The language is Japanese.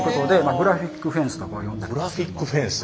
グラフィックフェンス。